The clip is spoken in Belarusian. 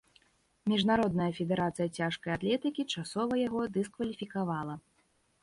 Міжнародная федэрацыя цяжкай атлетыкі часова яго дыскваліфікавала.